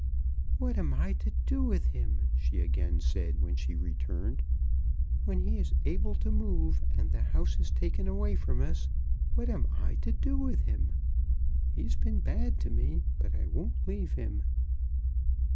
"What am I to do with him?" she again said, when she returned. "When he is able to move, and the house is taken away from us, what am I to do with him? He's been bad to me, but I won't leave him."